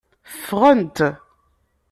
Ffɣent.